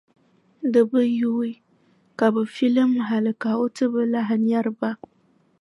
Di bi yuui ka bɛ filim hali ka o ti bi lahi nyari ba.